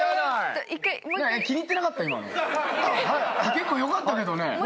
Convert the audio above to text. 結構よかったけどね。